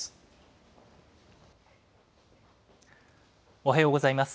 おはようございます。